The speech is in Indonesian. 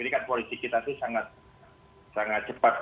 ini kan politik kita itu sangat cepat